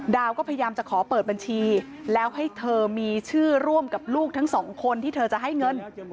ดาวก็พยายามจะขอเปิดบัญชีแล้วให้เธอมีชื่อร่วมกับลูกทั้งสองคนที่เธอจะให้เงิน